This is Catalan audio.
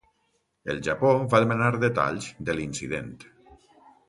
El Japó va demanar detalls de l'incident.